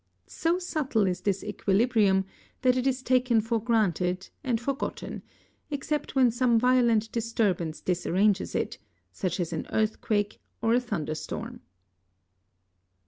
(80) So subtle is this equilibrium that it is taken for granted and forgotten, except when some violent disturbance disarranges it, such as an earthquake or a thunder storm.